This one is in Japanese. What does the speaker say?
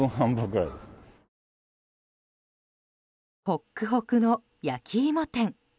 ホックホクの焼き芋店。